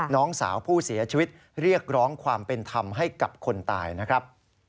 น้องสาวผู้เสียชีวิตเรียกร้องความเป็นธรรมให้กับคนตายนะครับ